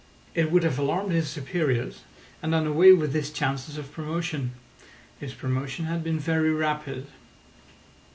It would have alarmed his superiors, and done away with his chances of promotion. His promotion had been very rapid.